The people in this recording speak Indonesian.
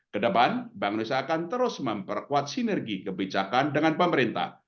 kedepan bank indonesia akan terus memperkuat sinergi kebijakan dengan pemerintah